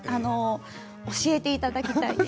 教えていただきたいです